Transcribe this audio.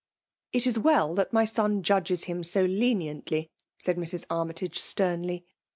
'*'* It is well that my son judges him so leni ently," said Mrs. Armytage, sternly.